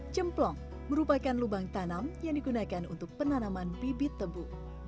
cemplong merupakan lubang tanam yang digunakan untuk penanaman bibit tebu